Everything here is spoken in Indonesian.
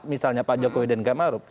misalnya pak jokowi dan qiyam arub